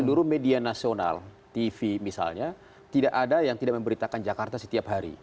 seluruh media nasional tv misalnya tidak ada yang tidak memberitakan jakarta setiap hari